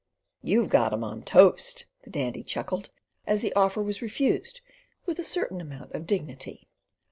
"You've got 'em on toast," the Dandy chuckled as the offer was refused with a certain amount of dignity.